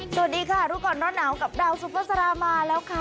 สวัสดีค่ะรู้ก่อนร้อนหนาวกับดาวซุปเปอร์สรามาแล้วค่ะ